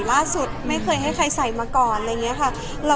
พอเสร็จจากเล็กคาเป็ดก็จะมีเยอะแยะมากมาย